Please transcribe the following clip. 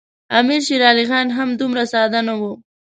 امیر شېر علي خان هم دومره ساده نه وو.